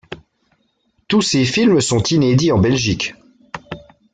Tous ces films sont inédits en Belgique.